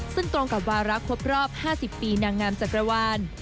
ซึ่งตรงกับวาระครบรอบ๕๐ปีนางงามจักรวาล